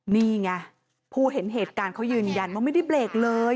นี่ไงผู้เห็นเหตุการณ์เขายืนยันว่าไม่ได้เบรกเลย